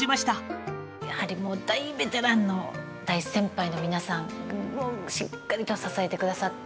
やはりもう大ベテランの大先輩の皆さんがしっかりと支えてくださって。